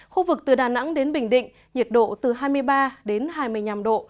khu vực từ đà nẵng đến bình định nhiệt độ từ hai mươi ba đến hai mươi năm độ